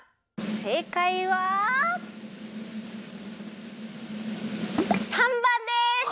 せいかいは３ばんです！